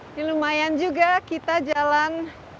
ini lumayan juga kita jalan